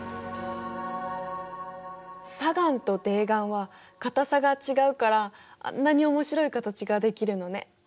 砂岩と泥岩は硬さが違うからあんなに面白い形ができるのね。